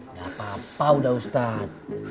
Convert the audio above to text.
nggak apa apa udah ustadz